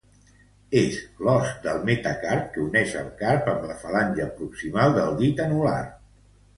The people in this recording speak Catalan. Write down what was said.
És l'os del metacarp que uneix el carp amb la falange proximal del dit anular.